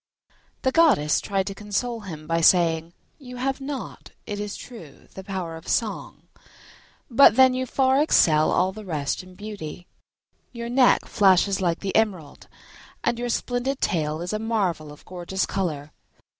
The goddess tried to console him by saying, "You have not, it is true, the power of song, but then you far excel all the rest in beauty: your neck flashes like the emerald and your splendid tail is a marvel of gorgeous colour."